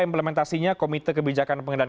implementasinya komite kebijakan pengendalian